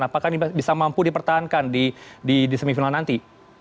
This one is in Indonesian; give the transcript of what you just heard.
apakah ini bisa mampu dipertahankan di semifinal nanti